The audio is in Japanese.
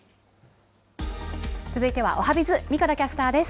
続いてはおはＢｉｚ、神子田キャスターです。